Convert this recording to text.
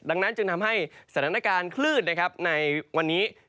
ดังนั้นจึงทำให้สถานการณ์คลื่นนะครับในวันนี้